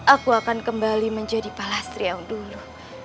aku akan kembali menjadi palastri yang dulu